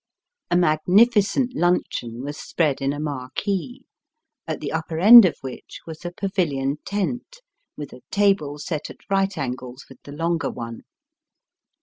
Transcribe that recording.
A magnificent luncheon was spread in a marquee, at the upper end of which was a pavilion tent with a table set at right angles with the longer one.